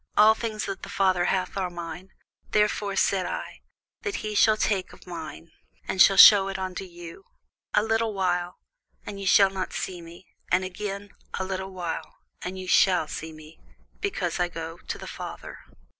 All things that the Father hath are mine: therefore said I, that he shall take of mine, and shall shew it unto you. A little while, and ye shall not see me: and again, a little while, and ye shall see me, because I go to the Father.